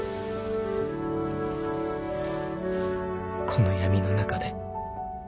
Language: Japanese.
［この闇の中で］